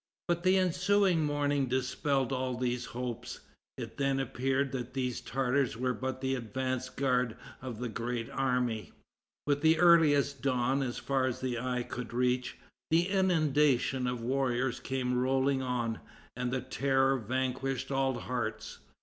But the ensuing morning dispelled all these hopes. It then appeared that these Tartars were but the advance guard of the great army. With the earliest dawn, as far as the eye could reach, the inundation of warriors came rolling on, and terror vanquished all hearts.